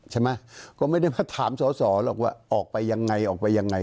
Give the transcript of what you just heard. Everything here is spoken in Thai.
ใช่ไหมก็ไม่ได้มาถามสอสอหรอกว่าออกไปยังไงออกไปยังไง